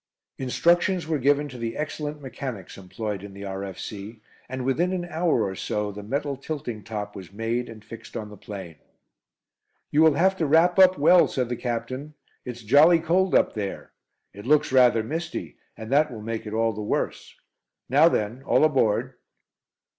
Instructions were given to the excellent mechanics employed in the R.F.C., and within an hour or so the metal tilting top was made and fixed on the plane. "You will have to wrap up well," said the Captain. "It's jolly cold up there. It looks rather misty, and that will make it all the worse. Now then, all aboard."